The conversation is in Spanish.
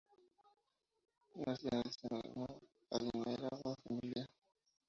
Nació en el seno de una adinerada familia.